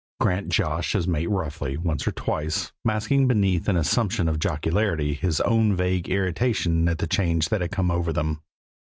Grant joshed his mate roughly, once or twice, masking beneath an assumption of jocularity his own vague irritation at the change that had come over them.